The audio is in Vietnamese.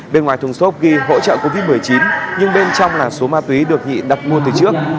bên ngoài thùng xốp ghi hỗ trợ covid một mươi chín nhưng bên trong là số ma túy được nhị đặt mua từ trước